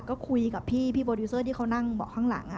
ก็คุยกับพี่พี่โบดิวเซอร์ที่เขานั่งข้างหลัง